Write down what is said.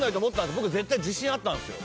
僕絶対自信あったんすよ